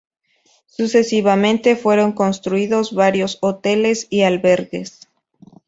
Sucesivamente fueron construidos varios hoteles y albergues.